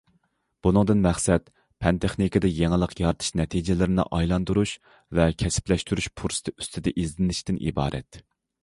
بۇنىڭدىن مەقسەت پەن- تېخنىكىدا يېڭىلىق يارىتىش نەتىجىلىرىنى ئايلاندۇرۇش ۋە كەسىپلەشتۈرۈش پۇرسىتى ئۈستىدە ئىزدىنىشتىن ئىبارەت.